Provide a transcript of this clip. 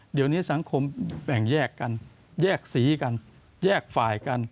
เดี๋ยวนี้สังคมแบ่งแยกกันแยกสีกันแยกฝ่ายกัน